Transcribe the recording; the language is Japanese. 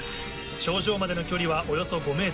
頂上までの距離はおよそ５ｍ。